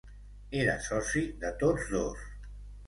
Era soci de tots dos.